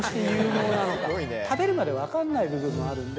食べるまで分かんない部分もあるんで。